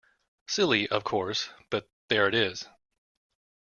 Silly, of course, but there it is.